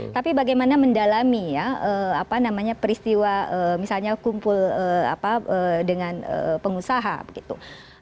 tapi bagaimana mendalami ya apa namanya peristiwa misalnya kumpul apa dengan pengusaha gitu